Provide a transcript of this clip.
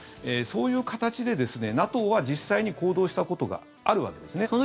そういう形で、ＮＡＴＯは実際に行動したことがあるわけですね。